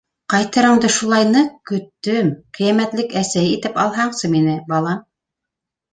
Ҡайтырыңды шулай ныҡ көттөм, ҡиәмәтлек әсәй итеп алһаңсы мине, балам?!